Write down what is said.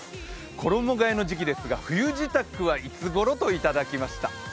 衣がえの時期ですが、冬支度はいつごろ？といただきました。